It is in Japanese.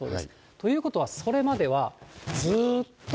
ということはそれまでは、ずっと。